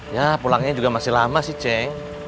ya pulangnya juga masih lama sih ceng